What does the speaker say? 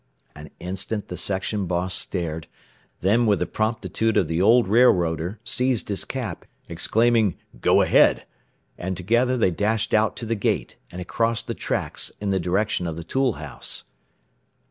An instant the section boss stared, then with the promptitude of the old railroader seized his cap, exclaiming "Go ahead!" and together they dashed out to the gate, and across the tracks in the direction of the tool house.